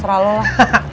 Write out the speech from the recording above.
sera lo lah